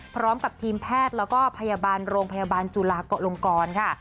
พร้อมกับทีมแพทย์แล้วก็พยาบาลโรงพยาบาลจุฬากลงกรค่ะ